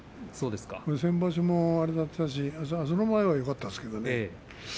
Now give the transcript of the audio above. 先場所もあれだったしその前はよかったですけどね。